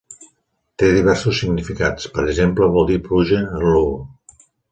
Té diversos significats; per exemple, vol dir "pluja" en luo.